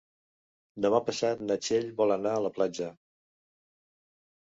Demà passat na Txell vol anar a la platja.